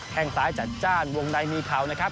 แค่งซ้ายจัดจ้านวงในมีเข่านะครับ